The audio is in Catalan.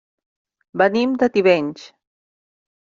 Venim de Tivenys.